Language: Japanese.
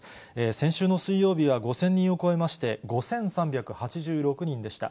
先週の水曜日は５０００人を超えまして、５３８６人でした。